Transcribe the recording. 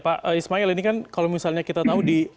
pak ismail ini kan kalau misalnya kita tahu di